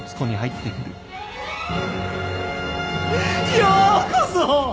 ようこそ！